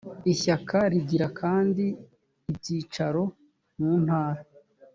ishyaka rigira kandi ibyicaro mu ntara